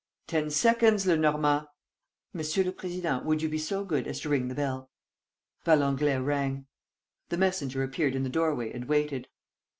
"Ten seconds, Lenormand!" "Monsieur le Président, would you be so good as to ring the bell?" Valenglay rang. The messenger appeared in the doorway and waited.